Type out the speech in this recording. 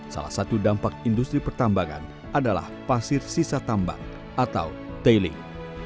salah satu dampak industri pertambangan adalah pasir sisa tambang atau tailing